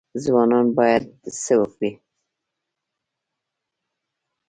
ځوانان باید څه وکړي؟